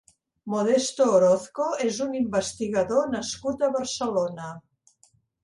Modesto Orozco és un investigador nascut a Barcelona.